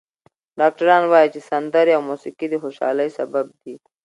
ډاکټران وايي چې سندرې او موسیقي د خوشحالۍ سبب دي.